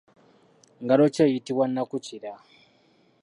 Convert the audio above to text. Ngalo ki eyitibwa nakukira?